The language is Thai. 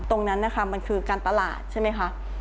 ตรงนั้นค่ะมันคือการตลาดใช่มั้ยคะ